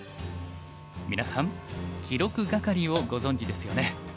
皆さん記録係をご存じですよね。